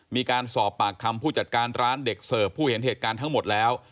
มีการสอบปากคำผู้จัดการร้านเด็กเสิร์ฟผู้เห็นเหตุการณ์ทั้งหมดแล้ว